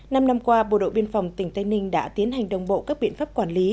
năm năm qua bộ đội biên phòng tỉnh tây ninh đã tiến hành đồng bộ các biện pháp quản lý